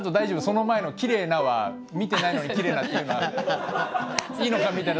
その前の「きれいな」は見てないのに「きれいな」って言うのはいいのかみたいな。